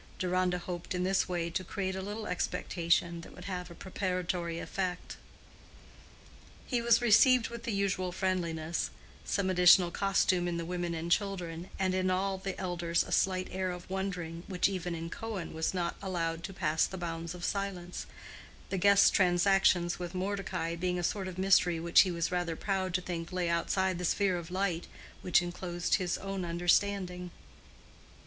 Deronda hoped in this way to create a little expectation that would have a preparatory effect. He was received with the usual friendliness, some additional costume in the women and children, and in all the elders a slight air of wondering which even in Cohen was not allowed to pass the bounds of silence—the guest's transactions with Mordecai being a sort of mystery which he was rather proud to think lay outside the sphere of light which enclosed his own understanding.